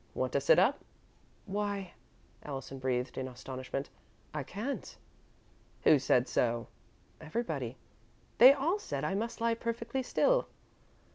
Want to sit up?" "Why," Allison breathed, in astonishment, "I can't." "Who said so?" "Everybody. They all said I must lie perfectly still."